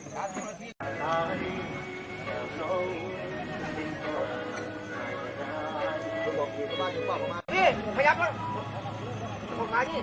สจีนการรู้ว่าอยู่ที่ไหน